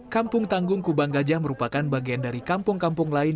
kampung tanggung kubang gajah merupakan bagian dari kampung kampung lain